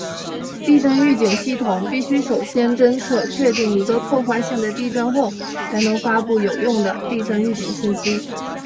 地震预警系统必须首先侦测确定一个破坏性的地震后才能发布有用的地震预警信息。